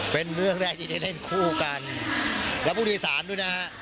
เป็นเมืองแรกที่จะเล่นคู่กันแล้วผู้โดยสารด้วยนะฮะ